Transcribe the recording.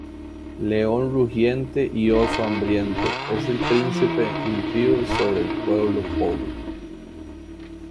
León rugiente y oso hambriento, Es el príncipe impío sobre el pueblo pobre.